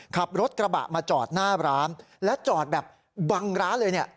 ขับรถกระบะมาจอดหน้าร้านและจอดแบบบังร้านเลยเนี่ย